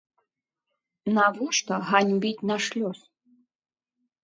Навошта ганьбіць наш лёс?